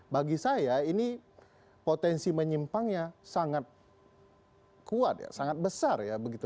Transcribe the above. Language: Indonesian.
bagi saya ini potensi menyimpangnya sangat kuat ya sangat besar ya begitu